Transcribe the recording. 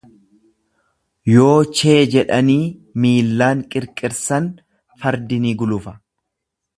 Yoo chee jedhanii miillaan qirqiršan fardi ni gulufa.